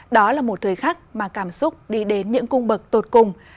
đó là một thời khắc mà cảm xúc đi đến những cung bậc tột cùng